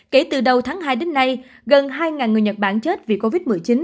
kể từ đầu tháng hai đến nay gần hai người nhật bản chết vì covid một mươi chín